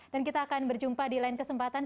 dan kita akan berjumpa di lain kesempatan